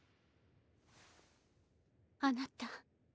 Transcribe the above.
あなた。